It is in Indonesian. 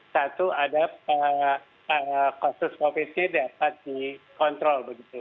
satu ada kasus covid sembilan belas dapat dikontrol